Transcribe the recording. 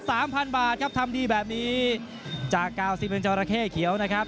สามพันบาทครับทำดีแบบนี้จากกาวซิเมนจอราเข้เขียวนะครับ